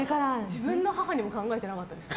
自分の母にも考えてなかったです。